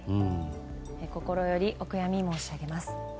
心よりお悔やみ申し上げます。